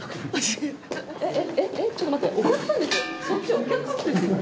そっちお客さんですよ？